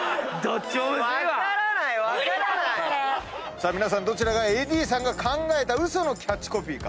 さあどちらがＡＤさんが考えたウソのキャッチコピーか。